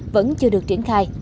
vẫn chưa được triển khai